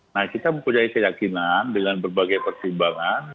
nah kita mempunyai keyakinan dengan berbagai pertimbangan